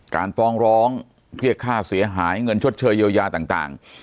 การฟ้องร้องเรียกค่าเสียหายเงินชดเชยเยียวยาต่าง